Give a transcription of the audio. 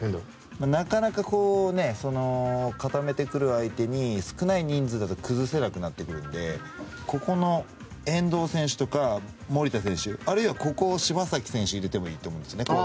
なかなか固めてくる相手に少ない人数だと崩せなくなってくるので遠藤選手とか守田選手あるいは、ここに柴崎選手を攻撃的に入れてもいいと思います。